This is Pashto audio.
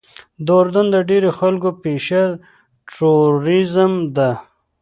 د اردن د ډېرو خلکو پیشه ټوریزم ده.